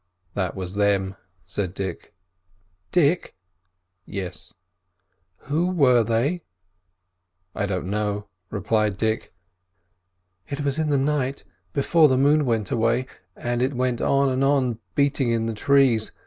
"That was them," said Dick. "Dick!" "Yes?" "Who were they?" "I don't know," replied Dick. "It was in the night, before the moon went away, and it went on and on beating in the trees.